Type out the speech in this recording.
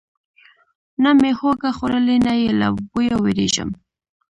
نه مې هوږه خوړلې، نه یې له بویه ویریږم.